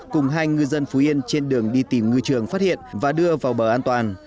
cùng hai ngư dân phú yên trên đường đi tìm ngư trường phát hiện và đưa vào bờ an toàn